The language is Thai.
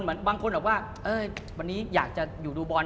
บางคนบอกว่าวันนี้อยากจะอยู่ดูบอล